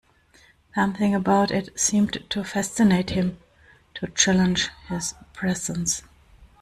Something about it seemed to fascinate him, to challenge his presence.